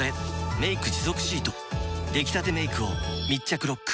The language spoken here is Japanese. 「メイク持続シート」出来たてメイクを密着ロック！